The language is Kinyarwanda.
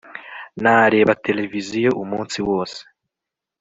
nareba televiziyo umunsi wose